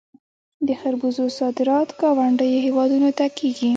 د خربوزو صادرات ګاونډیو هیوادونو ته کیږي.